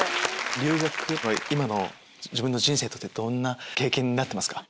留学今の自分の人生にとってどんな経験になってますか？